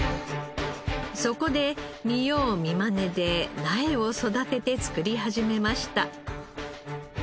そこで見よう見まねで苗を育てて作り始めました。